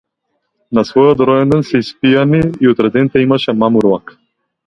На својот роденден се испијани и утредента имаше мамурлак.